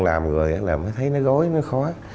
làm rồi là thấy nó gối nó khó